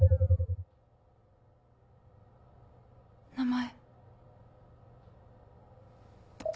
名前。